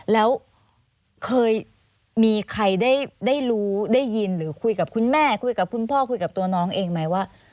แล้วเคยมีใครได้รู้ได้ยินหรือคุยกับคุณแม่คุยกับคุณพ่อคุยกับตัวน้องเองไหมว่า